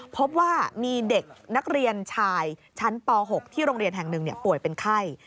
พบว่ามีเด็กนักเรียนชายชั้นป๖ที่โรงเรียนแห่งหนึ่งป่วยเป็นไข้